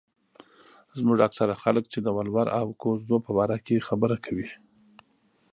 زموږ اکثره خلک چې د ولور او کوژدو په باره کې خبره کوي.